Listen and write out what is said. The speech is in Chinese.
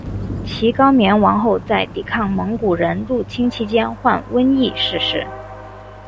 其高棉王后在抵抗蒙古人入侵期间患瘟疫逝世。